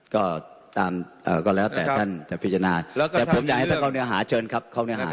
ก็แล้วแต่ท่านพิจารณาแต่ผมอยากให้ท่านเข้าเนื้อหาเชิญครับ